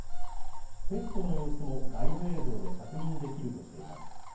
ペットの様子もライブ映像で確認できるとしています。